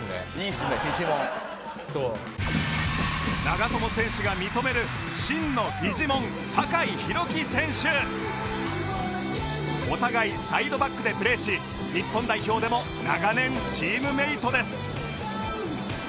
長友選手が認めるお互いサイドバックでプレーし日本代表でも長年チームメートです